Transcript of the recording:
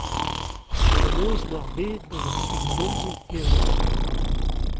Penaos ʼmañ ar bed gant ar skingomzoù hiziv ?